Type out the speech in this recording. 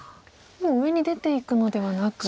もう上に出ていくのではなく。